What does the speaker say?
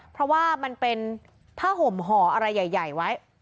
เพราะว่ามันเป็นผ้าห่มห่ออะไรใหญ่ไว้